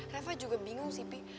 reva juga bingung sih pak